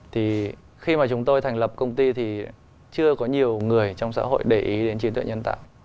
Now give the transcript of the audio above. thì khi mà chúng tôi thành lập công ty thì chưa có nhiều người trong xã hội để ý đến trí tuệ nhân tạo